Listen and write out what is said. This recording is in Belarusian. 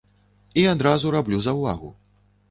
І адразу раблю заўвагу.